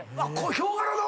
ヒョウ柄の⁉